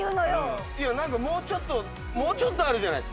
いや何かもうちょっともうちょっとあるじゃないですか。